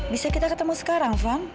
bisa kita ketemu sekarang fan